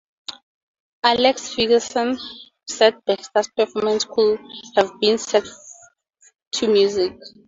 Alex Ferguson said Baxter's performance "could have been set to music".